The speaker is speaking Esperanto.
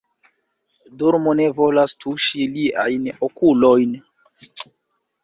Dormo ne volas tuŝi liajn okulojn.